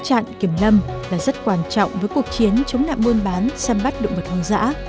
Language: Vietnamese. vài trò của chốt chặn kiểm lâm là rất quan trọng với cuộc chiến chống nạn môn bán săn bắt động vật hoang dã